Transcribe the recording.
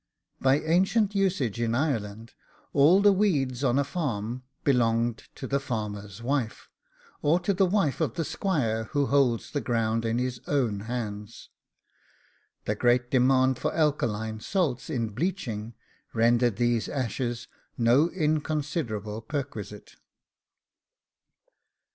By ancient usage in Ireland, all the weeds on a farm belonged to the farmer's wife, or to the wife of the squire who holds the ground in his own hands. The great demand for alkaline salts in bleaching rendered these ashes no inconsiderable perquisite.